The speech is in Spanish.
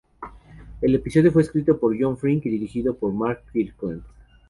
El episodio fue escrito por John Frink y dirigido por Mark Kirkland.